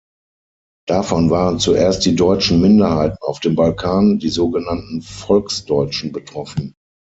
Davon waren zuerst die deutschen Minderheiten auf dem Balkan, die so genannten Volksdeutschen betroffen.